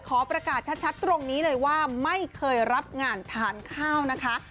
ขอประกาศชัดตรงนี้เลยว่าไม่เคยรับงานทานข้าวนะคะ